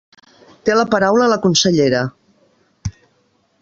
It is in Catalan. Té la paraula la consellera.